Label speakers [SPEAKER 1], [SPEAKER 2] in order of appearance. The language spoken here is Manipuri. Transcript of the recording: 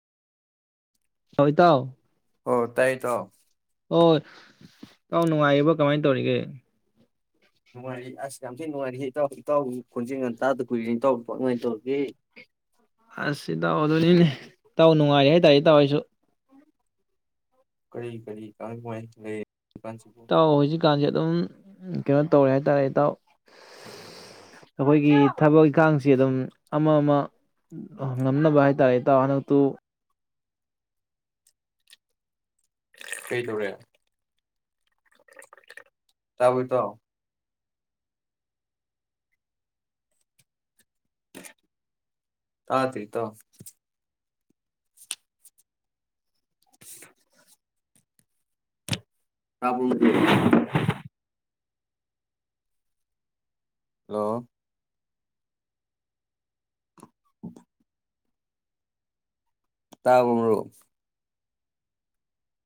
[SPEAKER 1] ꯍꯣ ꯏꯇꯥꯎ
[SPEAKER 2] ꯑꯣ ꯇꯥꯏꯌꯦ [unintelligible]
[SPEAKER 1] ꯍꯣꯏ ꯑꯇꯥꯎ ꯅꯨꯡꯉꯥꯏꯔꯤꯕꯣ ꯀꯃꯥꯏꯅ ꯇꯧꯔꯤꯒꯦ
[SPEAKER 2] ꯅꯨꯡꯉꯥꯏꯔꯤ ꯑꯁ ꯌꯥꯝ ꯊꯤ ꯅꯨꯡꯉꯥꯏꯔꯤꯍꯦ ꯏꯇꯥꯎ ꯏꯇꯥꯎꯒꯤ ꯈꯣꯟꯖꯦꯜꯒ ꯇꯥꯗ ꯀꯨꯏꯔꯦ ꯏꯇꯥꯎꯕꯨ ꯀꯃꯥꯏ ꯀꯃꯥꯏ ꯇꯧꯔꯤꯒꯦ
[SPEAKER 1] ꯑꯁ ꯏꯇꯧ ꯑꯗꯨꯅꯤꯅꯦ ꯏꯇꯧ ꯅꯨꯡꯉꯥꯏꯔꯤ ꯍꯥꯏꯇꯥꯔꯦ ꯏꯇꯥꯎ ꯑꯩꯁꯨ
[SPEAKER 2] ꯀꯔꯤ ꯀꯔꯤ [unintelligible]
[SPEAKER 1] [unintelligible] ꯑꯗꯨꯝ ꯀꯩꯅꯣ ꯇꯧꯔꯦ ꯍꯥꯏꯇꯥꯔꯦ ꯏꯇꯥꯎ ꯑꯈꯣꯏꯒꯤ ꯊꯕꯛ ꯏꯈꯥꯡꯁꯤ ꯑꯗꯨꯝ ꯑꯃ ꯑꯃ ꯉꯝꯅꯕ ꯍꯥꯏꯇꯥꯔꯦ ꯏꯇꯥꯎ ꯍꯟꯗꯛꯇꯨ
[SPEAKER 2] ꯀꯩ ꯇꯔꯦ ꯇꯥꯕꯔꯣ ꯏꯇꯥꯎ [unintelligible] [unintelligible] [unintelligible] [inaudible] ꯍꯜꯂꯣ [unintelligible] ꯇꯥꯕ꯭ꯔꯣ ꯃꯔꯨꯞ